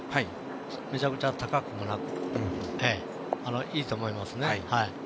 めちゃくちゃ高くもなくいいと思いますね。